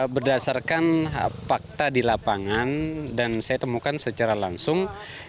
berdasarkan fakta di lapangan dan saya temukan secara langsung